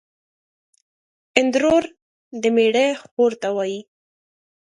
اندرور دمېړه خور ته وايي